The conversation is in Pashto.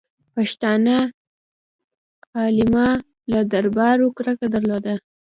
پښتانه علما له دربارو کرکه درلوده.